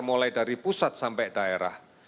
mulai dari pusat sampai daerah